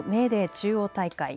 中央大会。